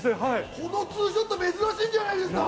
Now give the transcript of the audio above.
このツーショット、珍しいんじゃないですか？